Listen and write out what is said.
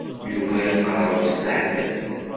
Yuba iqerreb s leḥder.